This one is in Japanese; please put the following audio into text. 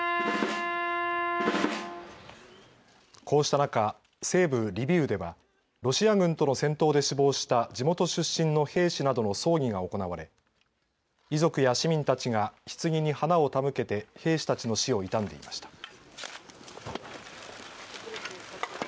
こうした中、西部のリビウではロシア軍との戦闘で死亡した地元出身の兵士などの葬儀が行われ遺族や市民たちがひつぎに花を手向けて兵士たちの死を悼んでいました。